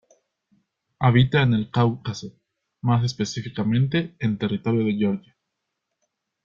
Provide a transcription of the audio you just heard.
Habita en el Cáucaso, más específicamente en territorio de Georgia.